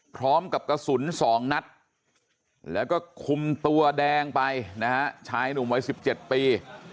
พร้อมกับกระสุน๒นัดแล้วก็คุมตัวแดงไปนะฮะชายหนุ่มวัย๑๗ปี